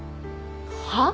はっ？